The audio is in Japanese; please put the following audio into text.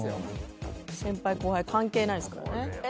先輩後輩関係ないですからね。